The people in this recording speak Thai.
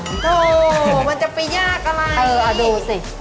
เออดูสิ